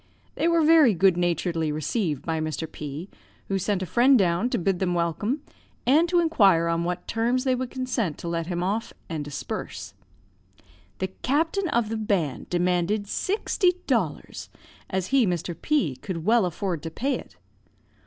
They were very good naturedly received by Mr. P , who sent a friend down to them to bid them welcome, and to inquire on what terms they would consent to let him off, and disperse. "The captain of the band demanded sixty dollars, as he, Mr. P , could well afford to pay it.